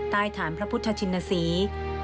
ใต้ฐานพระพุทธชินศรี